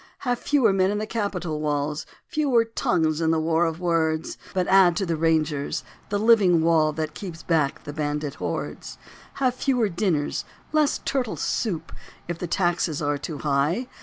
Have fewer men in the capitol walls, Fewer tongues in the war of words, But add to the Rangers, the living wall That keeps back the bandit hordes. Have fewer dinners, less turtle soup, If the taxes are too high.